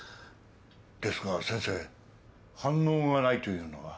ですが先生反応がないというのは？